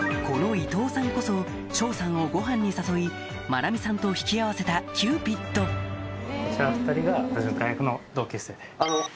この伊藤さんこそ晶さんをごはんに誘い愛美さんと引き合わせたキューピッドＶＴＲの。